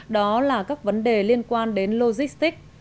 đó là các vấn đề liên quan đến logistics